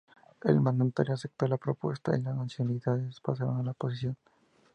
El mandatario aceptó la propuesta y los nacionales pasaron a la oposición.